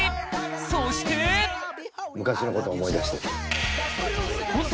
そして昔のことを思い出してねコント